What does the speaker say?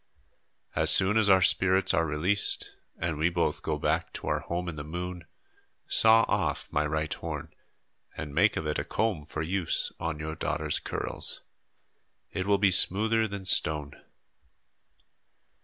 As soon as our spirits are released, and we both go back to our home in the moon, saw off my right horn and make of it a comb for use on your daughter's curls. It will be smoother than stone."